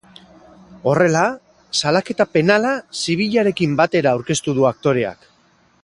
Horrela, salaketa penala zibilarekin batera aurkeztu du aktoreak.